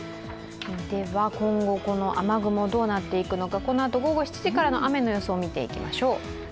今後、この雨雲どうなっていくのか、このあと午後７時からの雨の予想見ていきましょう。